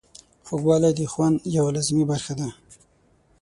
خوږوالی د خوند یوه لازمي برخه ده.